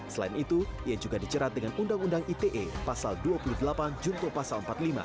selain itu ia juga dicerat dengan undang undang ite pasal dua puluh delapan jungko pasal empat puluh lima